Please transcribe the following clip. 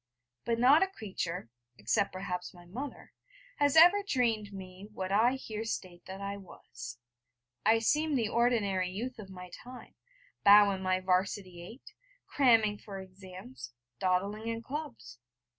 But not a creature, except perhaps my mother, has ever dreamed me what I here state that I was. I seemed the ordinary youth of my time, bow in my 'Varsity eight, cramming for exams., dawdling in clubs.